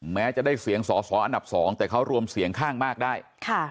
แม้จะได้เสียงสอสออันดับ๒แต่เขารวมเสียงข้างมากได้